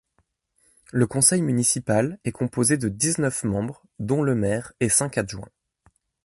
Le conseil municipal est composé de dix-neuf membres dont le maire et cinq adjoints.